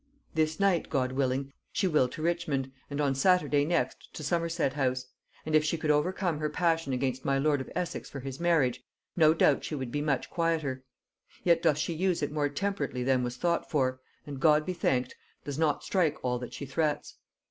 "This night, God willing, she will to Richmond, and on Saturday next to Somerset house, and if she could overcome her passion against my lord of Essex for his marriage, no doubt she would be much quieter; yet doth she use it more temperately than was thought for, and, God be thanked, doth not strike all that she threats.